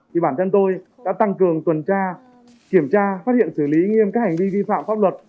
thì bản thân tôi đã tăng cường tuần tra kiểm tra phát hiện xử lý nghiêm các hành vi vi phạm pháp luật